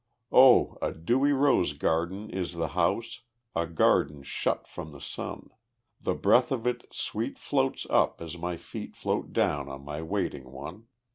O a dewy rose garden is the house, A garden shut from the sun; The breath of it sweet floats up, as my feet Float down to my waiting one.